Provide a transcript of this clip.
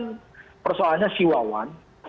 itu kan persoalannya si wawan